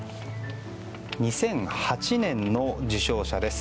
２００８年の受賞者です。